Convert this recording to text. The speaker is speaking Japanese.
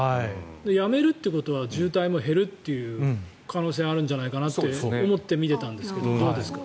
やめるってことは渋滞も減るっていう可能性があるんじゃないかなって思って見ていたんですがどうですか？